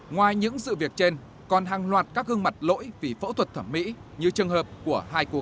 ngoài những sự việc trên còn hàng loạt các gương mặt lỗi vì phẫu thuật thẩm mỹ như trường hợp của hai cô gái